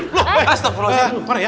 loh kepala aja kepala aja